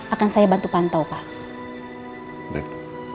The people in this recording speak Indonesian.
akan saya bantu pantau pak